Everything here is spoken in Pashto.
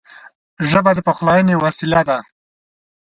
ژبه د پخلاینې وسیله ده